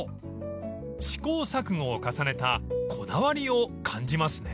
［試行錯誤を重ねたこだわりを感じますね］